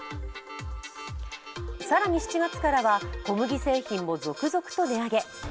更に７月からは小麦製粉も続々と値上げ。